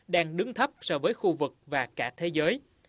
đang đứng thấp so với khu vực và cả thế giới